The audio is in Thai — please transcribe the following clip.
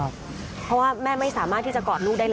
คือตอนที่แม่ไปโรงพักที่นั่งอยู่ที่สพ